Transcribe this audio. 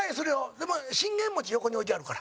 でも、信玄餅横に置いてあるから。